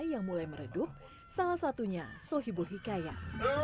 bagi yang menurut saya meredup salah satunya sohibul hikayat